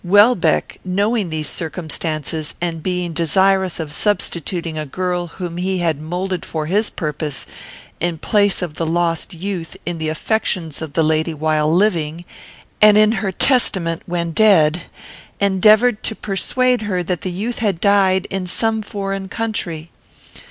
Welbeck, knowing these circumstances, and being desirous of substituting a girl whom he had moulded for his purpose, in place of the lost youth, in the affections of the lady while living, and in her testament when dead, endeavoured to persuade her that the youth had died in some foreign country.